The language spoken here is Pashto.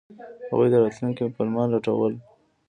هغوی د راتلونکي پلمه لټوله.